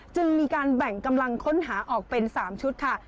จึงมีการแบ่งกำลังค้นหาออกเป็น๓ชุดค่ะ